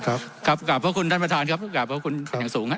ครับครับขอบคุณท่านประธานครับขอบคุณอย่างสูงน่ะ